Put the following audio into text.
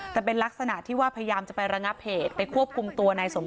ในสมศักดิ์นะคะตามที่โซเชียลกล่าวหานะคะ